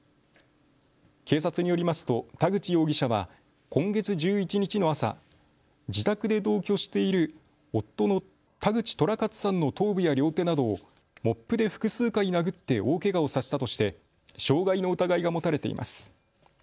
警察によりますと田口容疑者は今月１１日の朝、自宅で同居している夫の田口寅勝さんの頭部や両手などをモップで複数回殴って大けがをさせたとして傷害の疑いが持たれています。